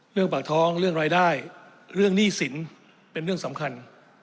เรื่องปากท้องเรื่องรายได้เรื่องหนี้สินเป็นเรื่องสำคัญ